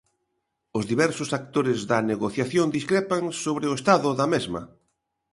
Os diversos actores da negociación discrepan sobre o estado da mesma.